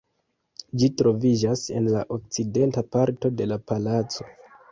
Ĝi troviĝas en la okcidenta parto de la palaco.